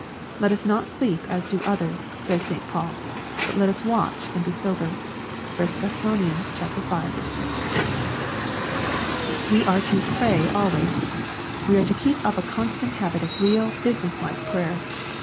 "Let us not sleep as do others," says St. Paul, " but let us watch and be sober." (1 Thess. V. 6.) We are to " pray always/' We are to keep up a constant habit of real, business like prayer.